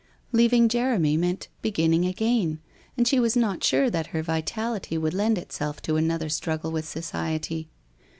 Leaving Jeremy meant beginning again and she was not sure that her vitality would lend itself to another struggle with society?